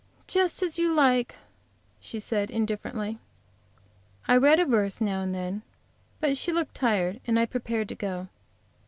"Just as you like," she said, indifferently. I read a verse now and then, but she looked tired, and I prepared to go.